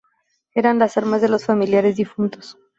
Eran las almas de los familiares difuntos.